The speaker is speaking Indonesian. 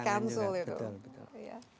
ya itu tantangan juga